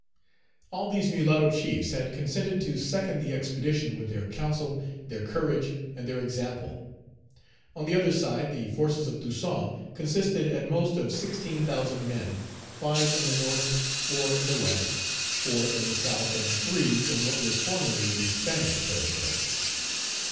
All these mulatto chiefs had consented to second the expedition with their council, their courage, and their example. On the other side, the forces of Toussaint consisted at most of sixteen thousand men; five in the North, four Page 158 in the West, four in the South, and three in what was formerly the Spanish territory.